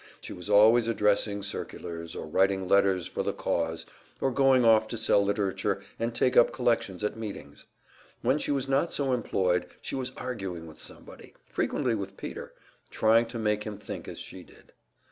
She was always addressing circulars, or writing letters for the "cause," or going off to sell literature and take up collections at meetings. When she was not so employed, she was arguing with somebody frequently with Peter trying to make him think as she did.